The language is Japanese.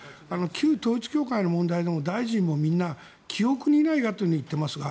旧統一教会の問題でも大臣もみんな記憶にないってあとに言っていますが